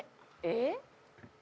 えっ？